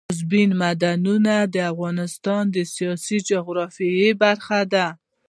اوبزین معدنونه د افغانستان د سیاسي جغرافیه برخه ده.